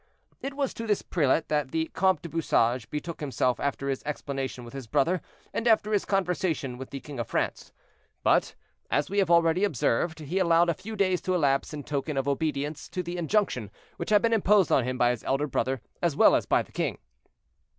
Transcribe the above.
It was to this prelate that the Comte du Bouchage betook himself after his explanation with his brother, and after his conversation with the king of France; but, as we have already observed, he allowed a few days to elapse in token of obedience to the injunction which had been imposed on him by his elder brother, as well as by the king.